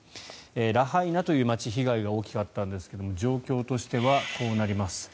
ラハイナという街被害が大きかったんですが状況としてはこうなります。